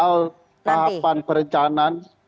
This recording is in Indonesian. soal tahapan perencanaan